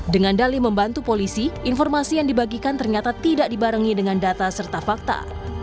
dengan dali membantu polisi informasi yang dibagikan ternyata tidak dibarengi dengan data serta fakta